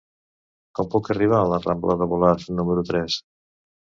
Com puc arribar a la rambla de Volart número tres?